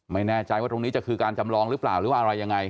ไม่แน่ใจว่าตรงนี้จะคือการจำลองหรือเปล่าหรือว่าอะไรยังไง